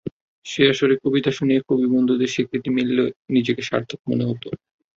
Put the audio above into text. সেই আসরে কবিতা শুনিয়ে কবি বন্ধুদের স্বীকৃতি মিললে নিজেকে সার্থক মনে হতো।